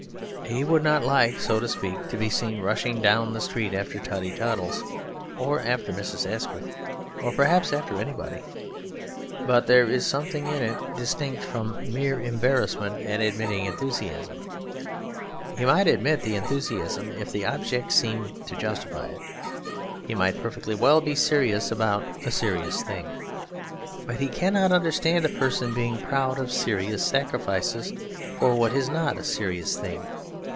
He would not like, so to speak, to be seen rushing down the street after Totty Toddles, or after Mrs. Asquith, or perhaps after anybody. But there is something in it distinct from a mere embarrassment at admitting enthusiasm. He might admit the enthusiasm if the object seemed to justify it; he might perfectly well be serious about a serious thing. But he cannot understand a person being proud of serious sacrifices for what is not a serious thing.